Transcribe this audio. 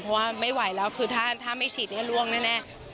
เพราะว่าไม่ไหวแล้วคือถ้าไม่ฉีดล่วงแน่